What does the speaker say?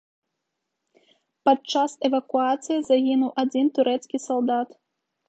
Падчас эвакуацыі загінуў адзін турэцкі салдат.